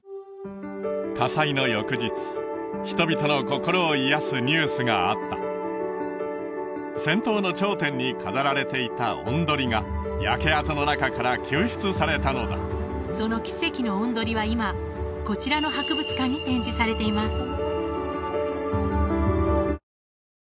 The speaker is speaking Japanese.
火災の翌日人々の心を癒やすニュースがあった尖塔の頂点に飾られていた雄鶏が焼け跡の中から救出されたのだその奇跡の雄鶏は今こちらの博物館に展示されています